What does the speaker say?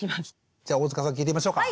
じゃあ大塚さん聞いてみましょうか。